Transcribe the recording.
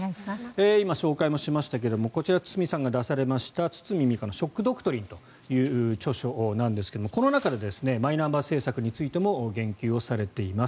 今、紹介もしましたがこちら、堤さんが出されました「堤未果のショック・ドクトリン」という著書なんですがこの中でマイナンバー政策についても言及をされています。